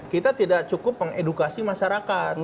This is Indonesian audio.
kita tidak cukup mengedukasi masyarakat